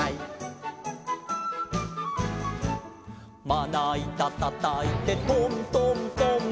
「まないたたたいてトントントン」